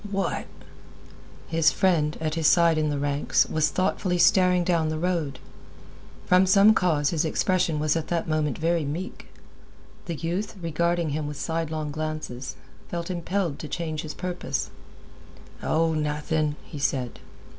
"What?" His friend, at his side in the ranks, was thoughtfully staring down the road. From some cause his expression was at that moment very meek. The youth, regarding him with sidelong glances, felt impelled to change his purpose. "Oh, nothing," he said.